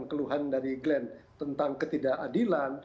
keluhan dari glenn tentang ketidakadilan